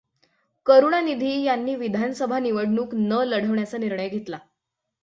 करुणानिधी यांनी विधानसभा निवडणूक न लढवण्याचा निर्णय घेतला.